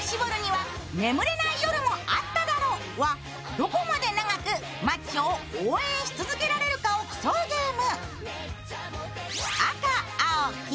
動向まで長くマッチョを応援し続けられるかを競うゲーム。